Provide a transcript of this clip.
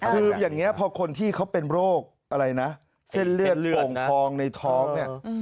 คืออย่างนี้พอคนที่เขาเป็นโรคอะไรนะเส้นเลือดโอ่งพองในท้องเนี่ย